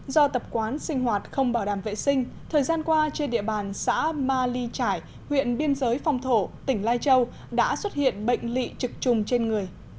do tập quán sinh hoạt không bảo đảm vệ sinh thời gian qua trên địa bàn xã ma ly trải huyện biên giới phong thổ tỉnh lai châu đã xuất hiện bệnh lị trực trùng trên người